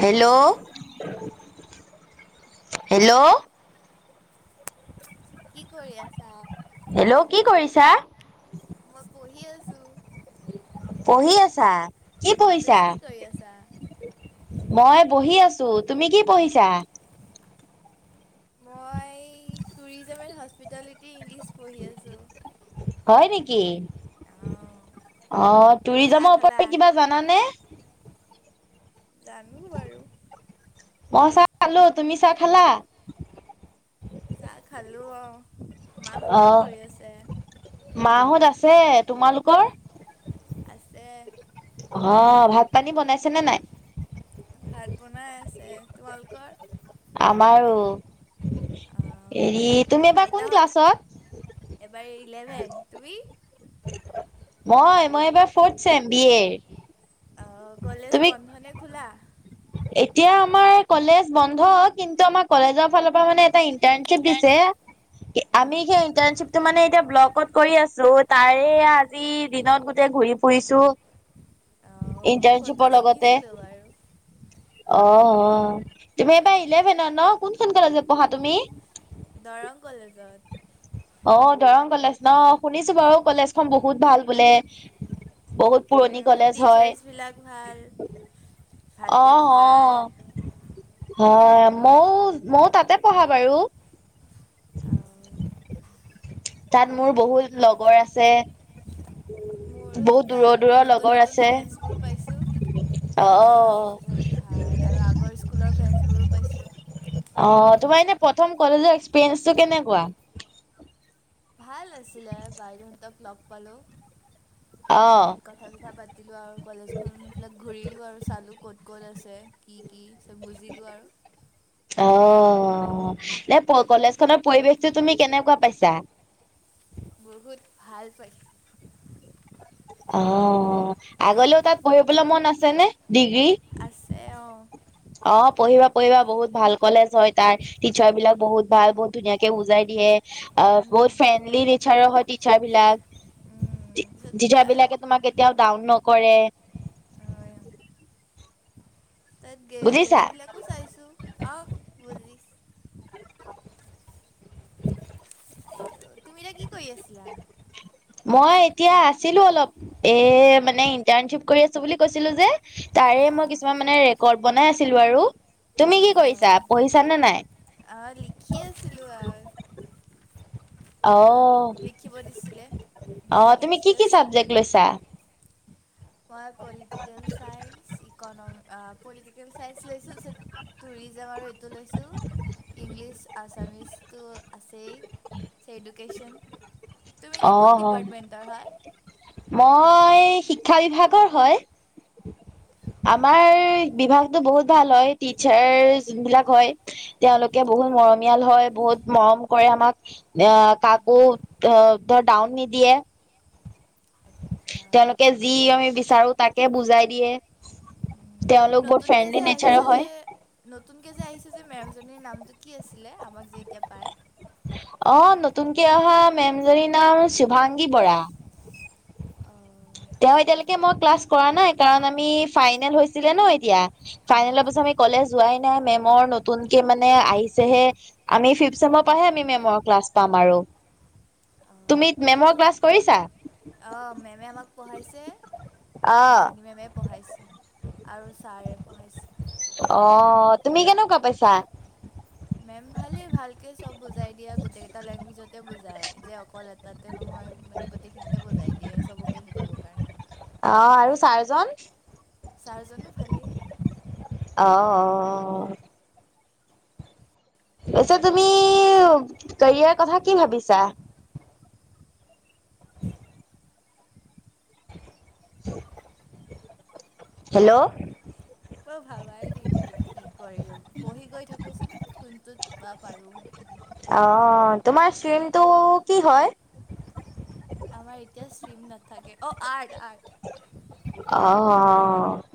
Hello hello কি কৰি আছা? হেল্ল' কি কৰিছা? মই পঢ়ি আছোঁ পঢ়ি আছা, কি উম, তুমি পঢ়িছা? কি কৰি আছা? মই বহি আছো তুমি কি পঢ়িছা? মই টুৰিজম এণ্ড হস্পিটেলিটি ইংলিছ পঢ়ি আছোঁ হয় নেকি অ চাহ টুৰিজমৰ খালা? ওপত তই কিবা জানানে? জানো বাৰু মই চাহ খালোঁ, তুমি চাহ খালা? চাহ খালোঁ অ মাহঁতে কি অহ কৰি আছে? মাঁহত আছে তোমালোকৰ? আছে হ ভাত-পানী বনাইছেনে নাই? ভাত বনাই আছে তোমালোকৰ? আমাৰো অ', হেই তুমি এবাৰ কোন আইতাহঁত ক্লাছত? এবাৰ ইলেভেন, তুমি? মই মই এইবাৰ ফৰ্থ চেম বি এৰ অ কলেজ তুমি বন্ধ নে খোলা? এতিয়া আমাৰ কলেজ বন্ধ কিন্তু আমাৰ কলেজৰ ফালৰ পৰা মানে এটা ইণ্টাৰ্নশ্বিপ ইণ্টাৰ্ণ। দিছে আমি অ', সেই ইণ্টাৰ্নশ্বিপটো মানে এতিয়া ব্লকত কৰি আছো তাৰে আজি দিনত গোটেই ঘূৰি ফুৰিছো অ ফটো ইন্টাৰ্ণশ্বিপৰ লগতে দেখিছিলোঁ বাৰু অ অ তুমি এইবাৰ ইলেভেনত ন, কোনখন কলেজত পঢ়া তুমি? দৰং কলেজত অ দৰং কলেজ ন শুনিছো বাৰু কলেজখন বহুত ভাল বোলে বহুত পুৰণি কলেজ। হয় টিচাৰ্ছবিলাক ভাল অ ভালকৈ বুজায় অ হয় মও মও তাতে পঢ়া বাৰু আও তাত মোৰ বহুত লগৰ আছে। মোৰো বহুত দূৰৰ তাত দূৰৰ নতুন লগৰ নতুন আছে ফ্ৰেন্সবোৰ পাইছোঁ অ আৰু সিহঁত বহুত ভাল আৰু আগৰ স্কুলৰ ফ্ৰেন্স বোৰো পাইছো অ তোমাৰ এনে প্ৰথম কলেজৰ এক্সপিৰিয়েঞ্চটো কেনেকুৱা? ভাল আছিলে, বাইদেউহঁতক লগ পালোঁ অ তাছত কথা-চথা পাতিলোঁ আৰু কলেজখন সিফালে ঘূৰিলোঁ আৰু চালোঁ ক'ত ক'ত আছে কি কি চব বুজিলোঁ আৰু অ নে কলেজখনৰ পৰিৱেশটো তুমি কেনেকুৱা পাইছা? বহুত ভাল পাইছ অ' আগলেও তাত পঢ়িবলৈ মন আছে নে ডিগ্ৰী? আছে অঁ অ' পঢ়িবা পঢ়িবা বহুত ভাল কলেজ হয় তাৰ টিচাৰ বিলাক বহুত ভাল, বহুত ধুনীয়াকে বুজাই দিয়ে। অ', বহুত ফ্ৰেণ্ডলি টিচাৰো হয়, টিচাৰ বিলাক। তাৰপিছত টিচাৰ তাৰ বিলাকে তোমাক কেতিয়াও ডাউন নকৰে। অ', তাত কে বুজিছা হেৰিবলা কো চাইছোঁ, অঁ', [unintelligible] আইও তুমি এতিয়া কি কৰি আছিলা? মই এতিয়া আছিলো অলপ, এ মানে, ইণ্টাৰ্ণশ্বিপ কৰি আছো বুলি কৈছিলো যে। তাৰেই মই আহ কিছুমান মানে ৰেকৰ্ড বনাই আছিলো আৰু, তুমি কি কৰিছা আহ পঢ়িছা নে নাই? আহ, লিখি আছিলো আৰু। অ এয়া লিখিব দিছিলে, অ সেয়া তুমি কি লিখি কি আছিলো। চাবজেক্ট লৈছা? মই পলিটিকেল চায়ন্স, ই ইকনমিক আ', পলিটিকেল চাইন্ঞ্চ লৈছোঁ, টুৰিজম আৰু এইটো লৈছোঁ। ইংলিছ, আছামিছতো আছেই তাৰপিছত এডুকেশচন। তুমি ইনে অ কোন ডিপাৰ্টমেণ্টৰ হয়? মই, শিক্ষা বিভাগৰ হয়। আমাৰ বিভাগটো, বহুত ভাল হয়। টিচাৰ যোন বিলাক হয় তেওঁলোকে বহুত মৰমীয়াল হয়, বহুত মৰম কৰে আমাক। এয়া কাকো অ' ধৰ ডাউন নিদিয়ে। [unintelligible] তেওঁলোকে যি আমি বিচাৰো, তাকে বুজাই দিয়ে। তেওঁলোক বৰ ফ্ৰেণ্ডলি নেচাৰৰ হয়। নতুনকৈ যে আহিছে যে, মেমজনীৰ নামটো কি আছিলে? আমাক যে এতিয়া পায়। অ', নতুনকে অহা মেমজনীৰ নাম, শুভাংগী বৰা। অঁ তেওঁ আচ্ছা এতিয়ালৈকে মই ক্লাছ কৰা নাই। কাৰণ, আমি ফাইনেল হৈছিলে ন' এতিয়া। উম, অঁ ফাইনেলৰ পিছত আমি কলেজ যোৱাই নাই। মেমৰ নতুন কে মানে আহিছেহে। আমি ফিফ্ট চেমৰ পৰাহে, আমি মেমৰ ক্লাছ পাম আৰু। [inaudible] তুমি মেমৰ ক্লাছ আচ্ছা কৰিছা? অঁ, মেমে আমাক পঢ়াইছে। অ'। সেইজনী মেমে পঢ়াইছে। আৰু ছাৰে পঢ়াইছে। অ', তুমি কেনেকুৱা পাইছা? মেম ভালেই, ভালকে চব বুজাই দিয়ে। গোটেইকেইটা লেংগুৱেজ তে বুজাই, যে অকল এটাতে নহয়, মানে গোটেইখিনিতে বুজাই দিয়ে, চবকে বুজি পাবৰ কাৰণে। অঁ, আৰু ছা ছাৰজনো ভালেই। অ' অ'। তাৰপিছত তুমি, কেৰিয়াৰ কথা কি ভাবিছা? [inaudible] [inaudible] হেল্ল'। মই ভাবাই নাই এতিয়ালেকি কি কৰিম, পঢ়ি গৈ থাকোচোন। কোনটোত বা পাৰোঁ। অঁ, তোমাৰ ষ্ট্ৰীমটো কি হয়? আমাৰ এতিয়া ষ্ট্ৰীম নাথাকে। অ', আৰ্ট আৰ্ট। অহ।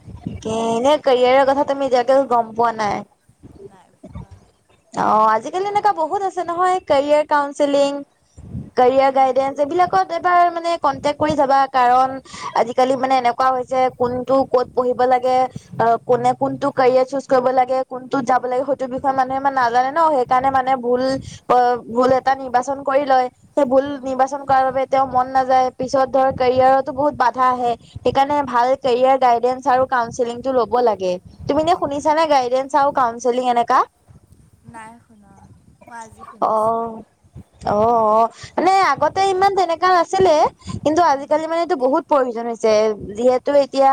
এনে কেৰিয়াৰৰ কথা তুমি এতিয়াকে গম পোৱা নাই। নাই পোৱা। অ আজিকালি এনেকুৱা বহুত আছে নহয় career counselling. Career um guidance এইবিলাকবাৰ মানে কনতেক কৰি যাবা কাৰণ। আজিকালি মানে এনেকুৱা হৈছে কোনটো কত পঢ়িব লাগে অ কোনে কোনটো কেৰিয়াৰ চুজ কৰিব লাগে কোনটো যাব লাগে সেইটো বিষয়ে মানুহে নাজানে ন সেইকাৰণে মানে ভুল ভুল এটা নিৰ্বাচন কৰি লয়। সেই ভুল উম নিৰ্বাচন। বাবে তেওঁ মন নাযায় পিছত ধৰ কেৰিয়াৰো বহুত বাধা আহে সেইকাৰণে ভাল কেৰিয়াৰ গাইডেন্ঞ্চ আৰু কাউঞ্চেলিংটো ল'ব লাগে। তুমি নে হয় শুনিছানে গাইডেন্স আৰু কাউচেলিং এনেকা? নাই শুনা মই আজি শুনিছোঁ। অ' অ অ মানে আগতে ইমান তেনেকা নাছিলে কিন্তু আজিকালি মানেটো বহুত প্ৰয়োজন হৈছে যিহেতু এতিয়া।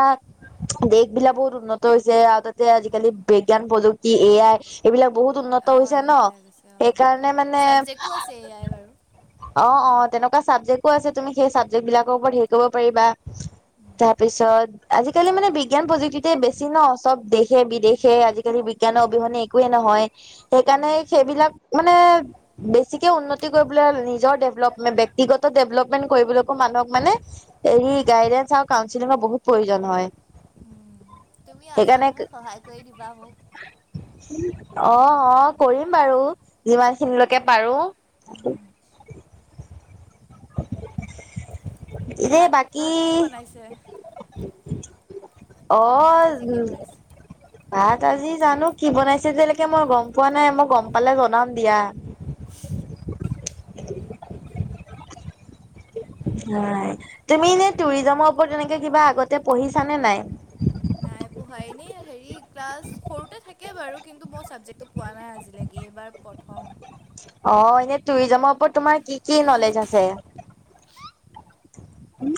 দেশ বিলাক বহুত উন্নত হৈছে আৰু তাতে উম আজিকালি বিজ্ঞান প্ৰযুক্তি এ আই এইবিলাক। বহুত উন্নত অঁ হৈছে ন, এইবিলাক আছে অঁ সেইকাৰণে মানে। ছাবজেক্টো আছে এয়াই বাৰু অ অ তেনেকুৱা চাবজেক্ট আছে তুমি সেই চাবজেক্ট বিলাকৰ ওপৰত হেৰি কৰিব পাৰিবা। তাৰ পিছত আজিকালি মানে বিজ্ঞান প্ৰযুক্তিতে বেছি ন চব দেশে বিদেশে আজিকালি বিজ্ঞানৰ অবিহনে একোৱে নহয় উম সেইকাৰণে সেইবিলাক মানে। বেছিকে উন্নতি কৰিবলৈ নিজৰ ডেভলপমেট ব্যক্তিগত ডেভলপমেন্ট কৰিবলৈকো মানুহক মানে। হৰি গাইডেন্স আৰু কাউচেলিঙৰ বহুত প্ৰয়োজন হয়। উম তুমি আছা সেইকাৰণে নহয় সহায় কৰি দিবা মোক। অ অ কৰিম বাৰু যিমান খিনিলৈকে পাৰো। হয়। এনেই বাকী। ভাতত কি বনাইছে [inaudible] ভাত আজি কি বনাইছে? ভাত আজি জানো কি বনাইছে যোলৈকে মই গম পোৱা নাই মই গম পালে জনাম দিয়া। [unintelligible] হয় তুমি এনে টুৰিজমৰ ওপৰত এনেকে কিবা আগতে পঢ়িছানে নাই। নাই পঢ়াই এনেই হেৰি ক্লাছ সৰুতে থাকে বাৰু কিন্তু মই ছাবজেক্টটো পোৱা নাই আজিলৈকে এইবাৰ প্ৰথম। অ এনেই টুৰিজমৰ ওপৰত তোমাৰ কি কি নলেজ আছে? হয়।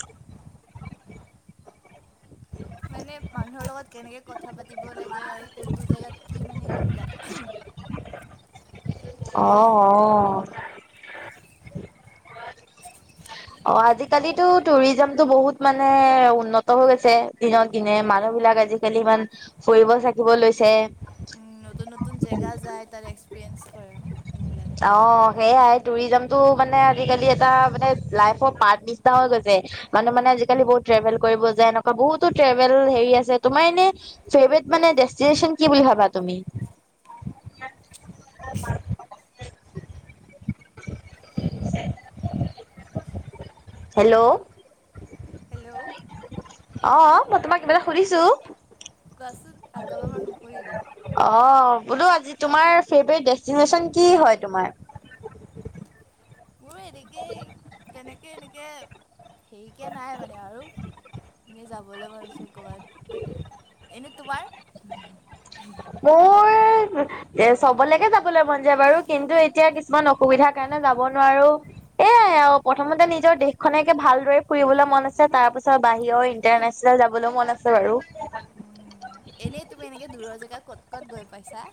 মানে মানুহৰ লগত কেনেকে কথা পাতিব লাগে আৰু কোনটো জেগাত মানে সেইবিলাক সেইবিলাকেই অ' আছে। [unintelligible] অ' অ যাম আজিকালিতো আৰু এতিয়া টুৰিজমতটো বহুত মানে উন্নত হৈ গৈছে। দিনত দিনে উম, মানুহ বিলাক আজিকালি ইমান ফুৰিব চাকিব লৈছে। নতুন নতুন জেগা যায় তাত এক্সপেৰিয়েঞ্চ কৰে ন সেইবিলাক। অ সেয়াই টুৰিজম টো মানে আজিকালি এটা মানে লাইফৰ পাৰ্ট নিচা হৈ গৈছে মানুহ মানে আজিকালি বহুত ট্ৰেৱে কৰিব যায় এনেকুৱা বহুতো ট্ৰেভেল হেৰি উম, আছে তোমাৰ এনে। ফেভৰিট দেষ্টিনেশ্যন কি বুলি ভাবা তুমি? [inaudible] হেল্ল' হেল্ল', অ মই তোমাক কিবা এটা সুধিছো কোৱাচোন আকৌ এবাৰ মই নুসুধিলো। অহ। বোলো আজি তোমাৰ ফেভাৰেট ডেষ্টিনেশ্চন কি হয় তোমাৰ? মোৰ এনেকে। তেনেকে -এনেকে হেৰিকে নাই মানে আৰু! এ যাবলৈ মন আছে গোৱাত। এনে তোমাৰ? মোৰ এ চবলৈকে যাবলৈ মন যায় বাৰু। কিন্তু এতিয়া কি কিছুমান অসুবিধাৰ কাৰণে যাব নোৱাৰো। এ আই আও। প্ৰথমতে নিজৰ দেশখনকে ভালদৰে ফুৰিবলৈ মন আছে। তাৰ পিছত বাহিৰৰ ইণ্টাৰনেচনেল যাবলৈও মন আছে বাৰু। এনেই তুমি এনেকে দূৰৰ জেগা ক'ত ক'ত গৈ পাইছা?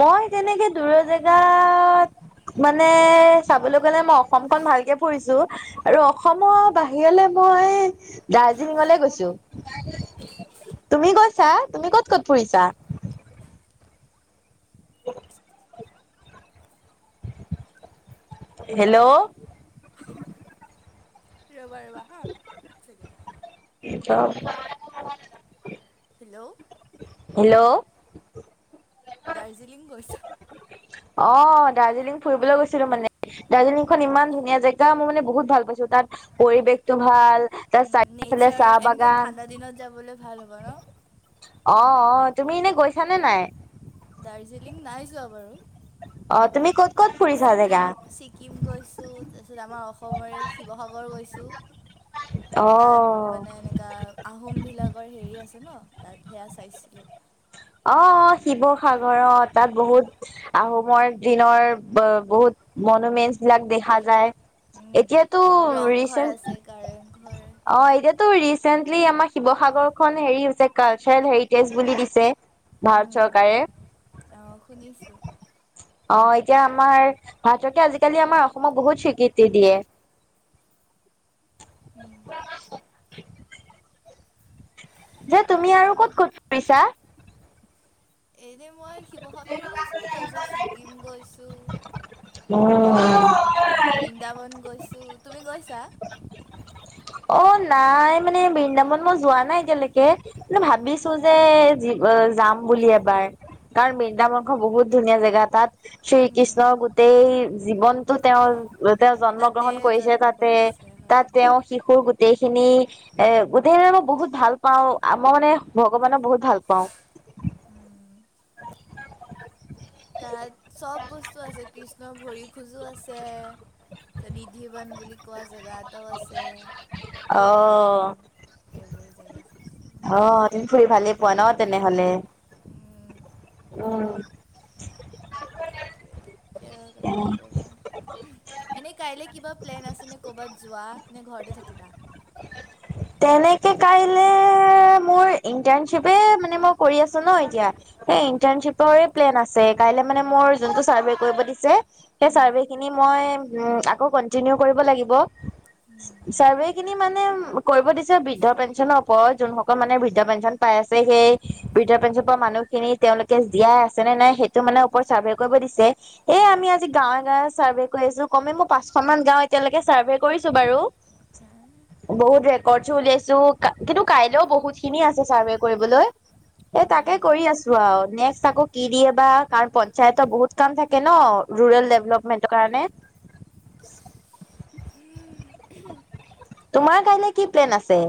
মই তেনেকে দূৰৰ জেগাত মানে চাবলৈ গলে, মই অসমখন ভালকে ফুৰিছো। আৰু অসমৰ বাহিৰলে মই দাৰ্জিলিঙলেগৈছো। [inaudible] তুমি গৈছা? তুমি ক'ত ক'ত ফুৰিছা? [unintelligible] হেল্ল' ৰ'বা ৰ'বা হা। এক ছেকেণ্ড [unintelligible] হেল্ল' হেল্ল' দাৰ্জিলিঙ গৈছো। অহ। দাৰ্জিলিঙ ফুৰিবলৈ গৈছিলো মানে। দাৰ্জিলিংখন ইমান ধুনীয়া জেগা। মই মানে বহুত ভাল পাইছো। তাত পৰিৱেশটো ভাল। তাৰ উম। চাৰিওফালে নেচাৰৰ, চাহ এনেকে বাগান ঠাণ্ডা দিনত যাবলৈ ভাল হ'ব ন? অ' অ' তুমি এনে গৈছানে নাই? দাৰ্জিলিং নাই যোৱা বাৰু। অ' তুমি ক'ত ক'ত এনেকৈ ফুৰিছা ছিকিম জেগা? ছিকিম গৈছোঁ। তাৰপিছত আমাৰ অসমৰে শিৱসাগৰ গৈছোঁ। অ তাত মানে এনেকা আহোম বিলাকৰ হেৰি আছে ন, তাত সেয়া চাইছিলোঁ। অ' অ' শিৱসাগৰ। অ' তাত বহুত আহোমৰ দিনৰ বহুত মনোমেন্টছ বিলাক দেখা যায়। এতিয়াতো ৰংঘৰ আছে ৰিচেন্ট, কাৰেংঘৰ সেয়াই অ'এতিয়া তোৰ ৰিচেন্টলি আমাৰ শিৱসাগৰখন হেৰি হৈছে, কালচাৰেল হেৰিটেজ বুলি দিছে। ভাৰত চৰকাৰে। অঁ শুনিছোঁ অহ। এতিয়া আমাৰ ভাৰত চৰকাৰে আজিকালি আমাৰ অসমক বহুত স্বীকৃতি দিয়ে। উম। [unintelligible] যে তুমি আৰু ক'ত ক'ত ফুৰিছা? এইনে মই শিৱসাগৰে গৈছোঁ। তাৰপিছত ছিকিম গৈছোঁ। তাৰপিছত অহ। বৃন্দাবন গৈছোঁ। তুমি গৈছা? অ নাই, মানে বৃন্দাবন মই যোৱা নাই এতিয়ালৈকে। [unintelligible] ভাবিছো যে যি যাম বুলি এবাৰ। কাৰণ বৃন্দাবনখন বহুত ধুনীয়া জেগা। তাত উম, শ্ৰীকৃষ্ণ গোটেই জীৱনটো তেওঁৰ তেওঁ জন্ম তাতে গ্ৰহণ কৰিছে জন্ম তাতে, কৰিছে হয়। তাত তেওঁ শিশুৰ গোটেইখিনি এ গোটেই বহুত ভাল পাও। আ ম মই মানে ভগৱানক বহুত ভাল পাওঁ। উম, তাত চব বস্তু আছে। কৃষ্ণ ভৰি খোজো আছে চানিধিৱন বুলি কোৱা জেগা এটাও আছে। অ এনকা সেইবোৰ জেগা [unintelligible] অ, তুমি ফুৰি ভালেই পোৱা ন তেনেহলে। উম, উম। [unintelligible] এনে কাইলে কিবা প্লেন আছে নে ক'বাত যোৱা? নে ঘৰতে থাকিবা? তেনেকে কাইলে মোৰ ইন্টাৰ্ণশ্বিপে মানে মোক কৰি আছো ন এতিয়া। মই এই ইণ্টাৰ্ণশ্বিপৰে প্লেন আছে। কাইলে মানে মোৰ যোনটো চাৰ্ভে কৰিব দিছে, সেই চাৰ্ভেখিনি মই উম, আকৌ কন্টিনিউ কৰিব লাগিব। চাৰ্ভে খিনি মানে কৰিব দিছে বৃদ্ধ পেঞ্চনৰ ওপৰত, যোনসকল মানে বৃদ্ধ পেঞ্চন পাই আছে। সেই বৃদ্ধ পেঞ্চন মানুহখিনি তেওঁলোকে জীয়াই আছে নে নাই? সেইটো মানে [unintelligible] চাৰ্ভে কৰিব দিছে। এ আমি আজি গাঁৱে গাঁৱে চাৰ্ভে কৰি আছো। কমে মই পাঁচশ মান গাওঁ এতিয়ালৈকে চাৰ্ভে কৰি বাৰু। বহুত ৰেকৰ্ড চো উলিয়াইছো কিন্তু কাইলেও বহুত খিনি আছে ছাৰ্ভে কৰিবলৈ। এ, তাকে কৰি আছ নেক্সট আকৌ কি দিয়ে বা কা--ণ পঞ্চায়ত বহুত কাম থাকে ন, ৰুৰেল ডেভলপমেন্টৰ কাৰণে। তোমাৰ কাইলে কি প্লেন আছে?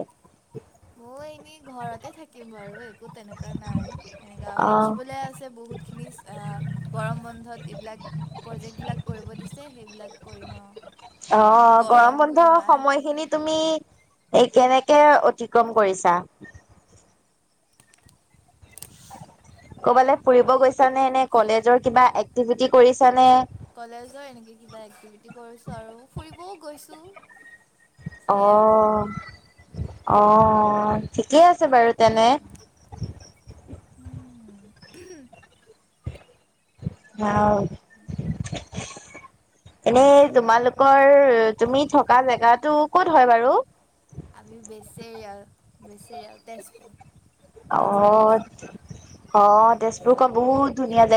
মই এনেই ঘৰতে থাকিম বাৰু একো তেনেকুৱা নাই। এনেকাও অ', লিখিবলে আছে বহুত খিনি আ গৰম বন্ধত এইবিলাক। প্ৰজেক্ট বিলাক কৰিব দিছে। সেইবিলাক কৰিম অ। গৰমো ইমান। এনে তুমি এই কেনেকে অতিক্ৰম কৰিছা? ক'বালে ফুৰিব গৈছানে নে কলেজৰ কিবা এক্টিভিটি কৰিছানে? কলেজৰ এনেকে কিবা এক্টিভিটি কৰিছো আৰু ফুৰিবও গৈছো। অঁ, অঁ। ঠিকেই আছে বাৰু তেনে। উম। উম [unintelligible] এনেই তোমালোকৰ তুমি থকা জেগাতো, ক'ত হয় বাৰু? আমি বেচেইয়াও বেচেইয়াও। তেজপুৰ তেজপুৰ অ', বেচে অ, তেজপুৰ খ বহুত ধুনীয়া জে